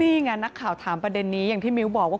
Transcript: นี่ไงนักข่าวถามประเด็นนี้อย่างที่มิ้วบอกว่า